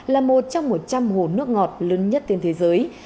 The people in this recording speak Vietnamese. là một trong một trăm linh hồ nước ngọt lớn nhất trên thế giới